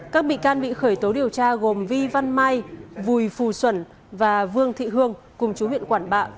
các bị can bị khởi tố điều tra gồm vi văn mai vùi phù xuẩn và vương thị hương cùng chú huyện quảng bạ